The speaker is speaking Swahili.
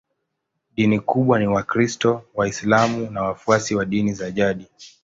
Dini kubwa ni Wakristo, Waislamu na wafuasi wa dini za jadi.